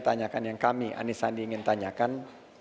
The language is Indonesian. tanyakan yang kami anisandi ingin tanyakan